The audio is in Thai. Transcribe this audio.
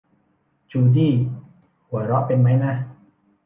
จูดี้หัวเราะเป็นมั้ยนะ